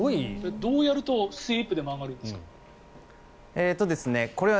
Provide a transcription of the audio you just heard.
どうやるとスイープで曲がるんですか？